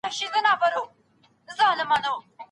ستونزي د ژوند یوه برخه ده.